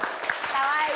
かわいい。